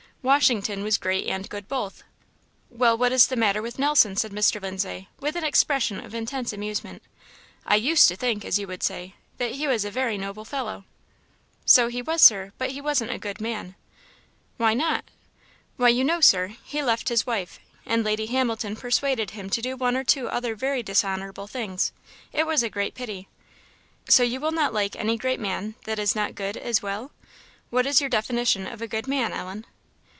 Washington was great and good both." "Well, what is the matter with Nelson?" said Mr. Lindsay, with an expression of intense amusement; "I 'used to think,' as you would say, that he was a very noble fellow." "So he was, Sir; but he wasn't a good man." "Why not?" "Why, you know, Sir, he left his wife; and Lady Hamilton persuaded him to do one or two other very dishonourable things; it was a great pity!" "So you will not like any great man that is not good as well. What is your definition of a good man, Ellen?"